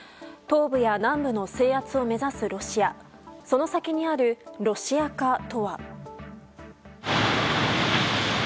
東部や南部の制圧を目指すロシアその先にあるロシア化とは。